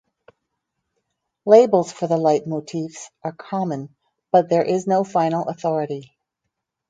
Labels for the leitmotifs are common, but there is no final authority.